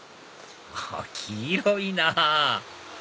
黄色いなぁ！